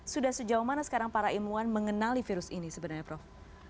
sudah sejauh mana sekarang para ilmuwan mengenali virus ini sebenarnya prof